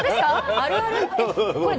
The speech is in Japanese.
あるある？